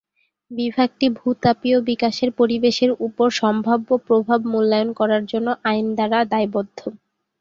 বিভাগটি ভূ-তাপীয় বিকাশের পরিবেশের উপর সম্ভাব্য প্রভাব মূল্যায়ন করার জন্য আইন দ্বারা দায়বদ্ধ।